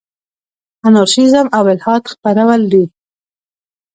انارشیزم او الحاد خپرول دي.